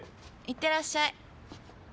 いってらっしゃい。